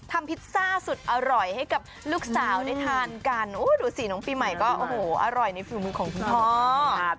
พิซซ่าสุดอร่อยให้กับลูกสาวได้ทานกันโอ้ดูสิน้องปีใหม่ก็โอ้โหอร่อยในฝีมือของคุณพ่อ